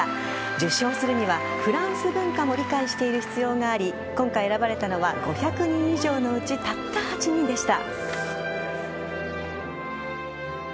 受章するにはフランス文化も理解している必要があり今回、選ばれたのは５００人以上のうちたった８人でした。